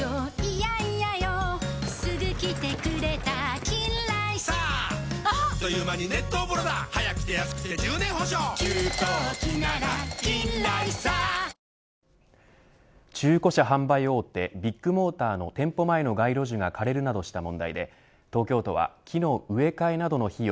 はぁ「サントリー生ビール」新しいみんなの「生ビール」中古車販売大手ビッグモーターの店舗前の街路樹が枯れるなどした問題で東京都は木の植え替えなどの費用